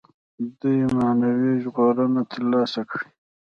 دوی معنوي ژغورنه تر لاسه کړي.